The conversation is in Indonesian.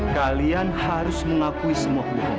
kalian harus mengakui semua hukum